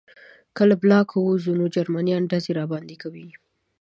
که له بلاک ووځو نو جرمنان ډزې راباندې کوي